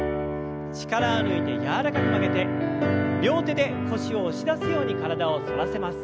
力を抜いて柔らかく曲げて両手で腰を押し出すように体を反らせます。